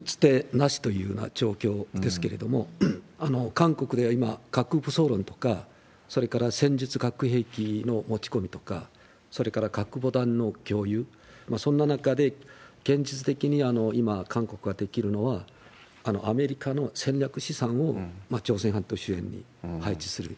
打つ手なしというような状況ですけれども、韓国で今、核武装論とか、それから戦術核兵器の持ち込みとか、それから核ボタンの共有、そんな中で、現実的に今、韓国ができるのは、アメリカの戦略資産を朝鮮半島周辺に配置する。